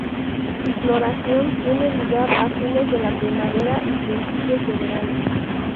Su floración tiene lugar a fines de la primavera y principios del verano.